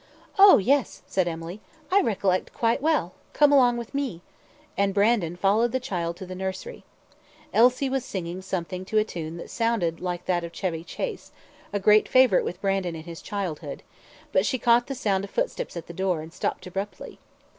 "Oh! yes," said Emily, "I recollect quite well come along with me," and Brandon followed the child to the nursery. Elsie was singing something to a tune that sounded like that of "Chevy Chase," a great favourite with Brandon in his childhood but she caught the sound of footsteps at the door and stopped abruptly.